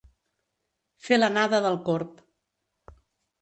Fer l'anada del corb.